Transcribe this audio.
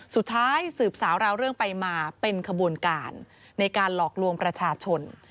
สืบสาวราวเรื่องไปมาเป็นขบวนการในการหลอกลวงประชาชน